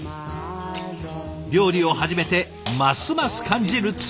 料理を始めてますます感じる妻の偉大さ。